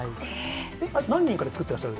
何人かで作ってらっしゃる？